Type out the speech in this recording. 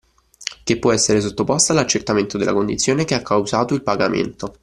Che può essere sottoposta all’accertamento della condizione che ha causato il pagamento.